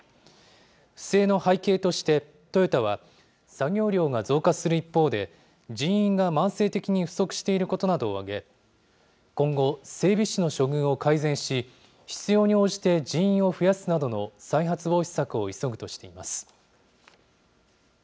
不正の背景としてトヨタは、作業量が増加する一方で、人員が慢性的に不足していることなどを挙げ、今後、整備士の処遇を改善し、必要に応じて人員を増やすなどの再発防止策を急ぐとしています。